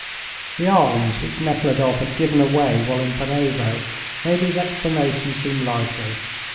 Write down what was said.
The alms which Nekhludoff had given away while in Panovo made his explanation seem likely.